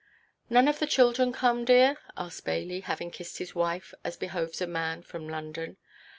"None of the children come, dear?" asked Bailey, having kissed his wife, as behoves a man from London.